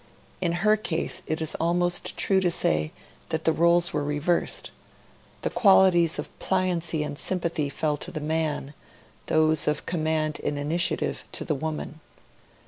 In her case it is almost true to say that the roles were reversed; the qualities of pliancy and sympathy fell to the man, those of command and initiative to the woman.